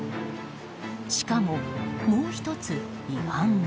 しかも、もう１つ違反が。